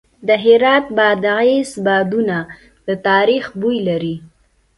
د هرات بادغیس بادونه د تاریخ بوی لري.